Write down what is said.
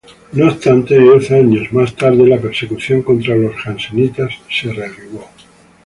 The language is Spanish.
No obstante, diez años más tarde, la persecución contra los jansenistas se reavivó.